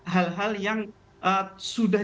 hal hal yang sudah